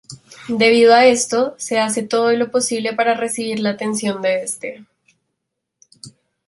Debido a esto, hace todo lo posible para recibir la atención de este.